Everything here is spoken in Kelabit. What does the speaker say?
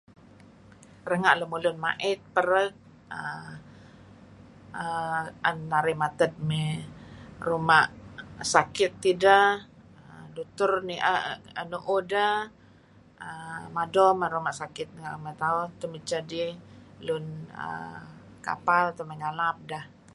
Renga' lemulun mait pereg uhm aen narih mated ngi Ruma Sakit tideh. Dutur nuuh deh uhm mado man ruma' sakit ngen tauh, temidteh dih uhm kapal teh may ngalap deh.